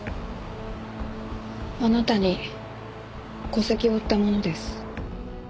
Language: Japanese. あなたに戸籍を売った者です。